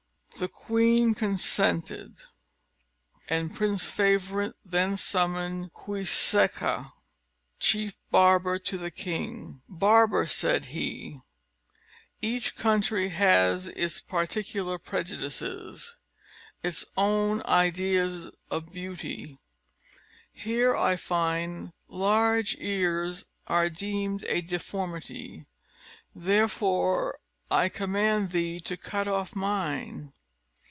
The queen consented; and Prince Favourite then summoned Queséca, chief barber to the king, "Barber," said he, "each country has its particular prejudices its own ideas of beauty; here I find large ears are deemed a deformity; therefore, I command thee to cut off mine."